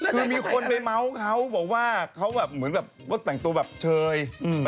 คือมีคนไปเมาส์เขาบอกว่าเขาแบบเหมือนแบบว่าแต่งตัวแบบเชย